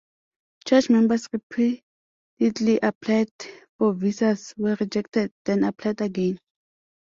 Church members repeatedly applied for visas, were rejected, then applied again.